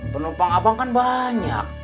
penumpang abang kan banyak